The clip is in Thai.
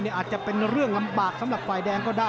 อาจจะเป็นเรื่องลำบากสำหรับฝ่ายแดงก็ได้